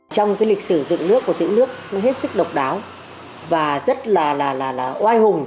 trong lịch sử dựng nước của dựng nước nó hết sức độc đáo và rất là oai hùng